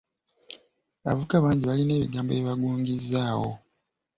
Abavubuka bangi balina ebigambo bye bagungizzaawo.